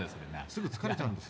すぐ疲れちゃうんですよ。